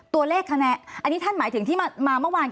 ตัวเลขคะแนนอันนี้ท่านหมายถึงที่มาเมื่อวาน